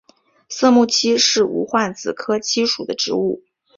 色木槭是无患子科槭属的植物。